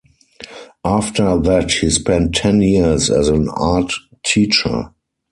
After that he spent ten years as an art teacher.